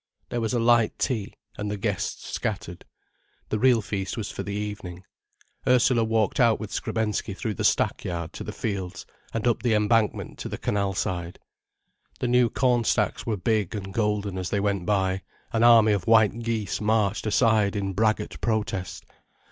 There was a light tea, and the guests scattered. The real feast was for the evening. Ursula walked out with Skrebensky through the stackyard to the fields, and up the embankment to the canal side. The new corn stacks were big and golden as they went by, an army of white geese marched aside in braggart protest.